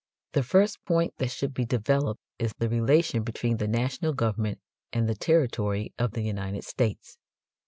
The first point that should be developed is the relation between the national government and the territory of the United States.